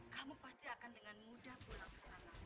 kamu pasti akan dengan mudah pulang ke sana